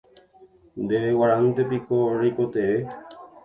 Ndéve g̃uarãntepiko reikotevẽ.